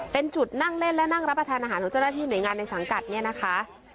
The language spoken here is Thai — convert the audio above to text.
เป็นจุดนั่งเล่นและนั่งรับประทานอาหารของเจ้าหน้าที่หน่วยงานในสังกัดเนี่ยนะคะ